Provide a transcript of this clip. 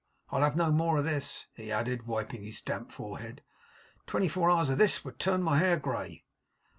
I'll have no more of this,' he added, wiping his damp forehead. 'Twenty four hours of this would turn my hair grey!